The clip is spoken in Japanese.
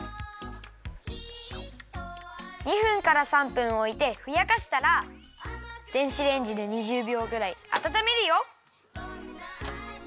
２分から３分おいてふやかしたら電子レンジで２０びょうぐらいあたためるよ。